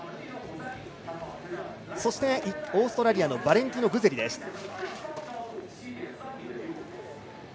そして、オーストラリアのバレンティノ・グゼリです。